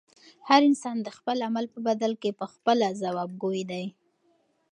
هر انسان د خپل عمل په بدل کې پخپله ځوابګوی دی.